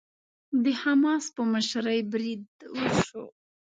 د حماس په مشرۍ بريد وشو.